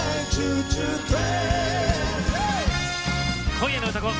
今夜の「うたコン」